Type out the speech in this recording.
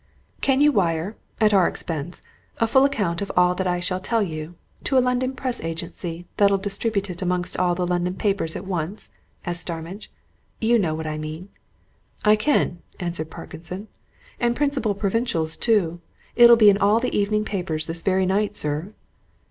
"Can you wire at our expense a full account of all that I shall tell you, to a London Press agency that'll distribute it amongst all the London papers at once?" asked Starmidge. "You know what I mean?" "I can," answered Parkinson. "And principal provincials, too. It'll be in all the evening papers this very night, sir."